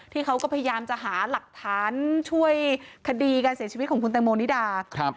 เขาก็พยายามจะหาหลักฐานช่วยคดีการเสียชีวิตของคุณแตงโมนิดา